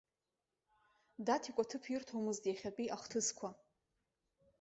Даҭикәа ҭыԥ ирҭомызт иахьатәи ахҭысқәа.